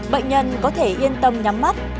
bệnh nhân có thể yên tâm nhắm mắt